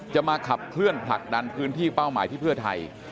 มาขับเคลื่อนผลักดันพื้นที่เป้าหมายที่เพื่อไทย